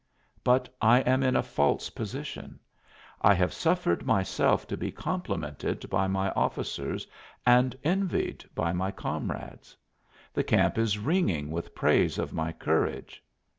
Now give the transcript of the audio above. But I am in a false position. I have suffered myself to be complimented by my officers and envied by my comrades. The camp is ringing with praise of my courage.